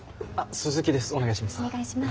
鈴木です。